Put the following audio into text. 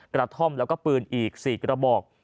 กระท่อมแล้วก็ปืนอีก๔กระบอก